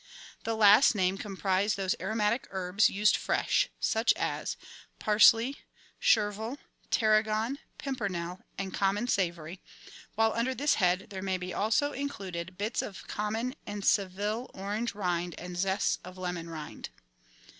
The last named comprise those aromatic herbs used fresh, such as : parsley, chervil, tarragon, pimpernel, and common savory ; while, under this head, there may also be included : bits of common and Seville orange rind and zests of lemon rind.